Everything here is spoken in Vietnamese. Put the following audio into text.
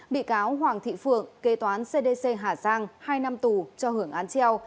bị cáo hoàng thị phượng kế toán cdc hà giang hai năm tù cho hưởng án treo